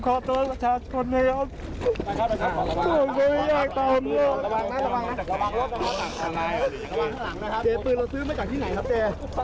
อยากจะบอกอะไรกับผู้ตายเป็นครั้งสุดท้ายไหมเจ๊